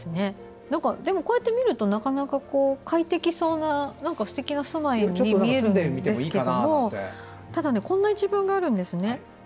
でも、こうやって見るとなかなか快適そうなすてきな住まいに見えるんですけどもただ、こんな一文があるんですね。